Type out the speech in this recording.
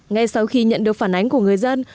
ngay sau khi nhận được phản ánh của người dân